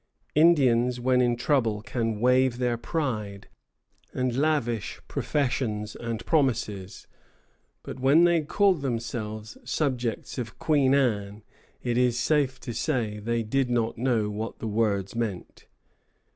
Indians when in trouble can waive their pride, and lavish professions and promises; but when they called themselves subjects of Queen Anne, it is safe to say that they did not know what the words meant.